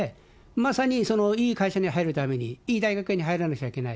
まさにいい会社に入るために、いい大学に入らなくちゃいけない。